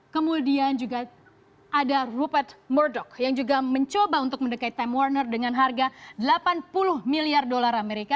kemudian juga ada rupet merdog yang juga mencoba untuk mendekati time warner dengan harga delapan puluh miliar dolar amerika